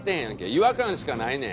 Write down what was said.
違和感しかないねん。